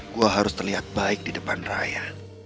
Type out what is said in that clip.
gue harus terlihat baik di depan raya